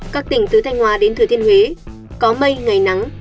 các tỉnh từ thanh hòa đến thừa thiên huế có mây ngày nắng